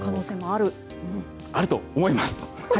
あると思います。